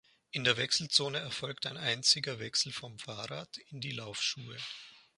In der Wechselzone erfolgt ein einziger Wechsel vom Fahrrad in die Laufschuhe.